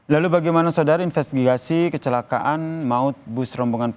lalu bagaimana saudara investigasi kecelakaan maut bus rombongan